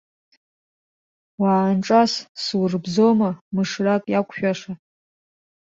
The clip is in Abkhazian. Уаанҿас, сурбзома, мышрак иақәшәаша!